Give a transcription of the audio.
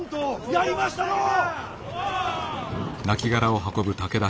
やりましたのう！